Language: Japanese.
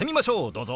どうぞ。